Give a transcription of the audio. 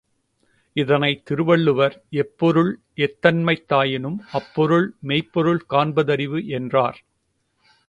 இதனைத் திருவள்ளுவர் எப்பொருள் எத்தன்மைத் தாயினும் அப்பொருள் மெய்ப்பொருள் காண்ப தறிவு என்றார்.